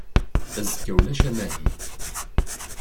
Azekka ulac amahil.